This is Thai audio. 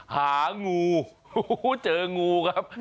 หางูเจองูครับ